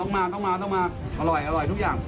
แนะนำต้องมาอร่อยทุกอย่าง